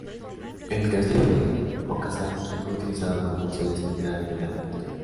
El castillo de Okazaki fue utilizado como sede central de la prefectura.